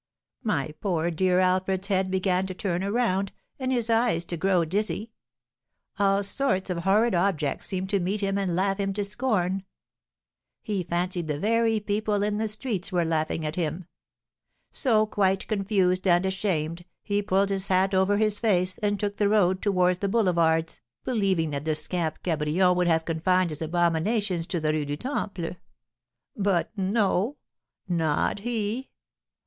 My poor dear Alfred's head began to turn around, and his eyes to grow dizzy; all sorts of horrid objects seemed to meet him and laugh him to scorn. He fancied the very people in the streets were laughing at him. So, quite confused and ashamed, he pulled his hat over his face, and took the road towards the Boulevards, believing that the scamp Cabrion would have confined his abominations to the Rue du Temple. But no not he!